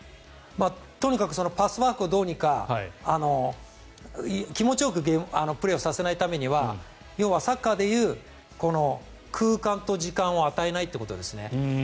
とにかくパスワークをどうにか気持ちよくプレーをさせないためには要はサッカーで言う空間と時間を与えないということですね。